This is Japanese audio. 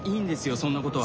そんなことは。